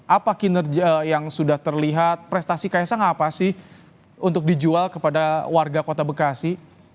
apa kinerja yang sudah terlihat prestasi kaisang apa sih untuk dijual kepada warga kota bekasi